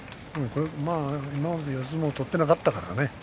今まで四つ相撲を取っていなかったからね。